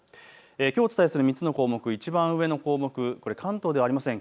きょうお伝えする３つの項目いちばん上の項目、関東ではありません。